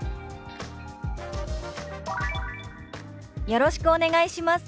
「よろしくお願いします」。